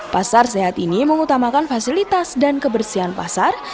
pasar sehat ini mengutamakan fasilitas dan kebersihan pasar